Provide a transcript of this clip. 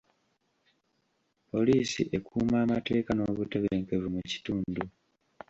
Poliisi ekuuma amateeka n'obutebenkevu mu kitundu.